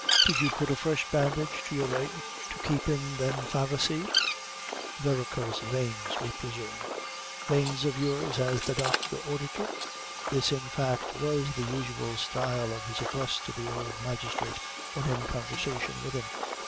Did you put a fresh bandage to your leg, to keep in them Pharisee (* Varicose, we presume) veins o' yours, as the docthor ordhered you?" This, in fact, was the usual style of his address to the old magistrate, when in conversation with him.